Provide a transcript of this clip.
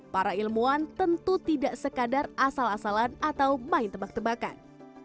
para ilmuwan tentu tidak sekadar asal asalan atau main tebak tebakan